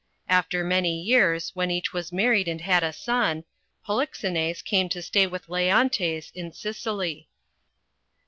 After many years, when each was married and had a son, Polixenes came to stay with Leon tes in Sicily.